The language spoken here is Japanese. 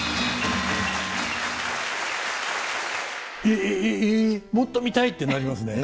「えもっと見たい」ってなりますね。